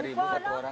lima ribu satu orang